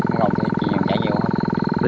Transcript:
năm đầu thì chị chạy nhiều hơn